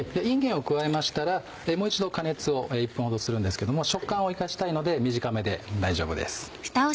いんげんを加えましたらもう一度加熱を１分ほどするんですけども食感を生かしたいので短めで大丈夫です。